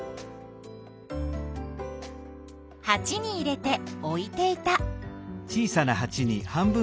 はちに入れて置いていた。